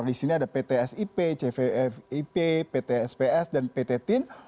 di sini ada ptsip cvip ptsps dan pt tim